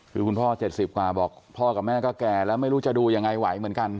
คือคุณพ่อ๗๐กว่าบอกพ่อกับแม่ก็แก่แล้วไม่รู้จะดูยังไงไหวเหมือนกัน